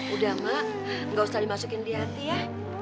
udah mak gak usah dimasukin dianti ya